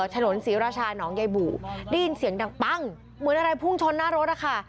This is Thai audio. ถนนศรีราชาหนองใยบู่ได้ยินเสียงดังปั้งเหมือนอะไรพุ่งชนหน้ารถนะคะ